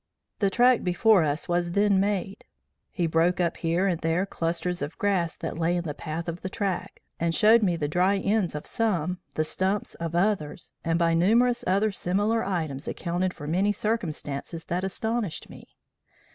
The track before us was then made. He broke up here and there clusters of grass that lay in the path of the track, and showed me the dry ends of some, the stumps of others, and by numerous other similar items accounted for many circumstances that astonished me.